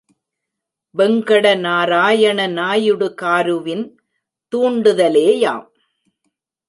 Venkatanarayana நாயுடுகாருவின் தூண்டுதலேயாம்.